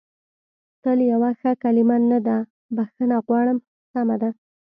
تل یوه ښه کلمه نه ده، بخښنه غواړم، سمه ده.